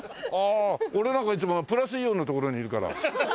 俺なんかいつもプラスイオンの所にいるから。